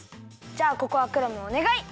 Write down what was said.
じゃあここはクラムおねがい。